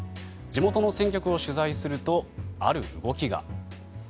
地元の選挙区を取材するとある動きが。